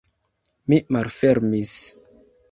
Mi malfermis.